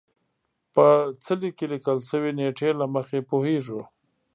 په څلي کې لیکل شوې نېټې له مخې پوهېږو.